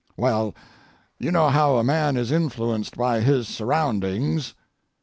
Well, you know how a man is influenced by his surroundings.